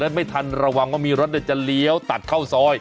ไม่ทันระวังว่ามีรถจะเลี้ยวตัดเข้าซอย